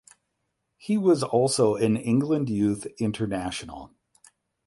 He was also an England Youth international.